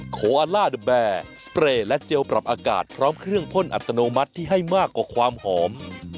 โคอัลล่าเดอร์แบร์สเปรย์และเจลปรับอากาศพร้อมเครื่องพ่นอัตโนมัติที่ให้มากกว่าความหอม